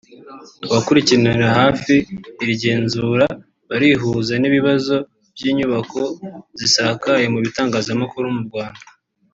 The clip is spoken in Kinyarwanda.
Abakurikiranira hafi iri genzura barihuza n’ibibazo by’inyubako zasakaye mu bitangazamakuru mu Rwanda